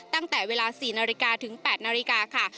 ตั้งแต่เวลา๔นาฬิกาถึง๘นาฬิกาค่ะ